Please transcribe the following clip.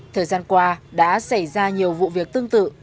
thời gian qua đã xảy ra nhiều vụ việc tương tự